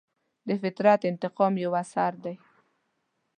د فطرت انتقام یو اثر دی.